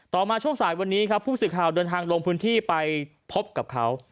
มาช่วงสายวันนี้ครับผู้สื่อข่าวเดินทางลงพื้นที่ไปพบกับเขา